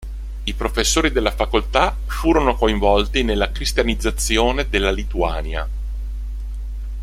I professori della facoltà furono coinvolti nella cristianizzazione della Lituania.